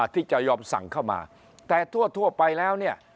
ที่จะยอมสั่งเข้ามาแต่ทั่วไปแล้วเนี่ย